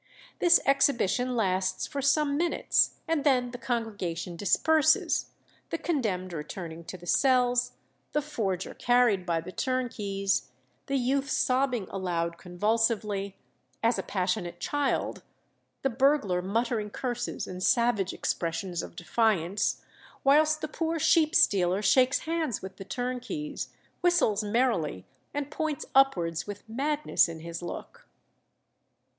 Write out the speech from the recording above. "This exhibition lasts for some minutes, and then the congregation disperses, the condemned returning to the cells: the forger carried by turnkeys; the youth sobbing aloud convulsively, as a passionate child; the burglar muttering curses and savage expressions of defiance; whilst the poor sheep stealer shakes hands with the turnkeys, whistles merrily, and points upwards with madness in his look."